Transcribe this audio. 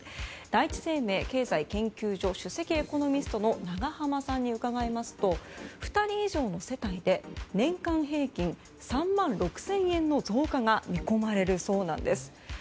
第一生命経済研究所首席エコノミストの永濱さんに伺いますと２人以上の世帯で年間平均３万６０００円の増加が見込まれるそうなんです。